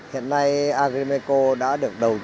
hiện nay agrimeco đã được đầu tư